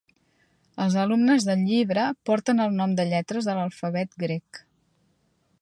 Els alumnes del llibre porten el nom de lletres de l'alfabet grec.